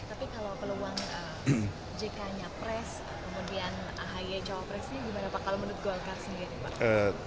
tapi kalau peluang jk nya pres kemudian ahi nya cowok pres bagaimana pak kalau menurut golkar sendiri